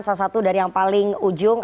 salah satu dari yang paling ujung